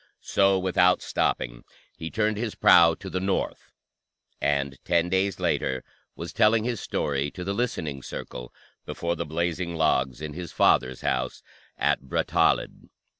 So, without stopping, he turned his prow to the north, and ten days later was telling his story to the listening circle before the blazing logs in his father's house at Brattahlid.